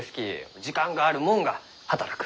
時間がある者が働く。